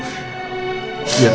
mama tanggal dulu